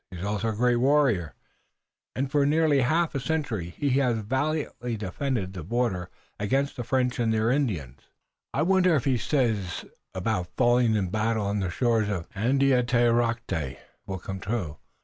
He is also a great warrior, and for nearly a half century he has valiantly defended the border against the French and their Indians." "I wonder if what he says about falling in battle on the shores of Andiatarocte will come true."